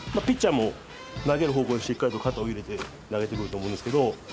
ピッチャーも投げる方向にしっかりと肩を入れて投げてくると思うんですけど。